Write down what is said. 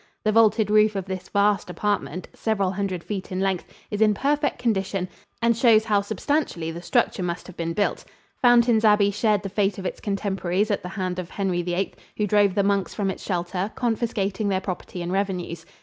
The vaulted roof of this vast apartment, several hundred feet in length, is in perfect condition and shows how substantially the structure must have been built Fountains Abbey shared the fate of its contemporaries at the hand of Henry VIII, who drove the monks from its shelter, confiscating their property and revenues.